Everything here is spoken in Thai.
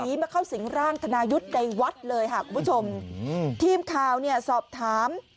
มาเข้าสิงร่างธนายุทธ์ในวัดเลยค่ะคุณผู้ชมอืมทีมข่าวเนี่ยสอบถาม